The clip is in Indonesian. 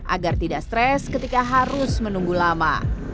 agar tidak stres ketika harus menunggu lama